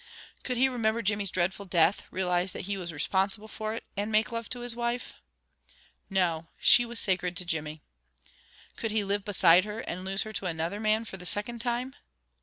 Could he remember Jimmy's dreadful death, realize that he was responsible for it, and make love to his wife? No, she was sacred to Jimmy. Could he live beside her, and lose her to another man for the second time?